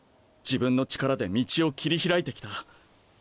自分の力で道を切り開いて来た。